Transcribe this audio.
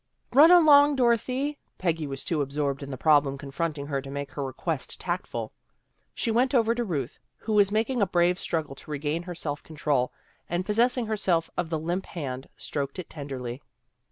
" Run along, Dorothy!" Peggy was too absorbed in the problem confronting her to make her request tactful. She went over to Ruth, who was making a brave struggle to regain her self control, and possessing her self of the limp hand, stroked it tenderly.